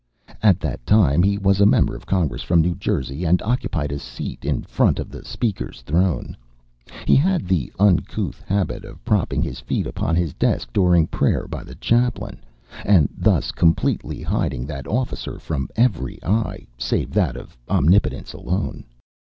At that time he was a member of Congress from New Jersey, and occupied a seat in front of the Speaker's throne. He had the uncouth habit of propping his feet upon his desk during prayer by the chaplain, and thus completely hiding that officer from every eye save that of Omnipotence alone.